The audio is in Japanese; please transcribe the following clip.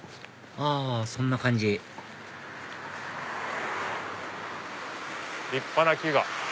あそんな感じ立派な木が。